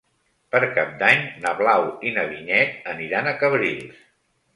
Per Cap d'Any na Blau i na Vinyet aniran a Cabrils.